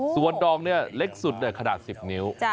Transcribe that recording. ส่วนดองเนี่ยเล็กสุดขนาด๑๐นิ้ว